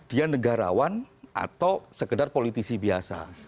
dia negarawan atau sekedar politisi biasa